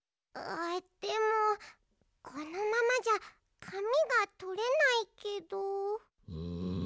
あっでもこのままじゃかみがとれないけど。